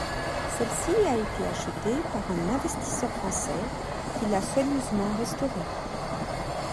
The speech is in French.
Celle-ci a été achetée par un investisseur français qui l'a soigneusement restaurée.